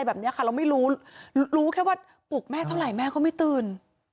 แล้วไม่รู้รู้แค่แม่ปลุกเท่าไหร่แม่ก็ไม่ตื่น